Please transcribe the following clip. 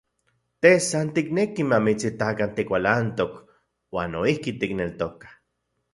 Te san tikneki mamitsitakan tikualantok, uan noijki tikneltokaj.